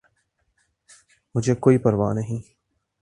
!مجھے کوئ پرواہ نہیں